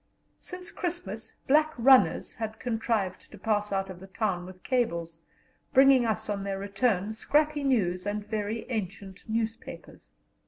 Since Christmas black "runners" had contrived to pass out of the town with cables, bringing us on their return scrappy news and very ancient newspapers.